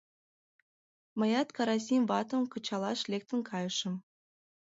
Мыят Карасим ватым кычалаш лектын кайышым.